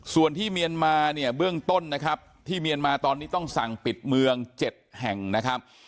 ส่วนที่เมียนมาเนี่ยเบื้องต้นนะครับที่เมียนมาตอนนี้ต้องสั่งปิดเมือง๗แห่งนะครับ